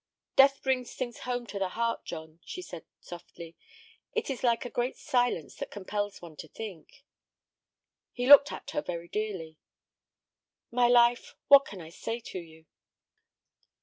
"Death brings things home to the heart, John," she said, softly; "it is like a great silence that compels one to think." He looked at her very dearly. "My life, what can I say to you?"